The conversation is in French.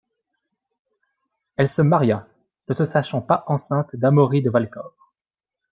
Elle se maria, ne se sachant pas enceinte d’Amaury de Valcor.